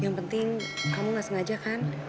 yang penting kamu gak sengaja kan